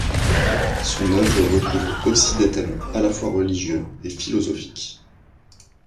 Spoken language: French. Son œuvre recouvre aussi des thèmes à la fois religieux et philosophiques.